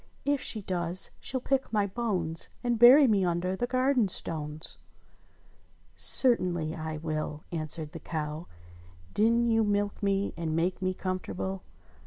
If she does she'll pick my bones. And bury me under the garden stones !" "Certainly I will," answered the cow. "Didn't you milk me and make me comfortable